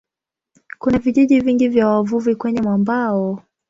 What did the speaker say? Kuna vijiji vingi vya wavuvi kwenye mwambao.